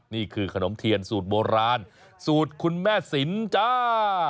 นี่คือขนมเทียนสูตรโบราณสูตรคุณแม่สินจ้า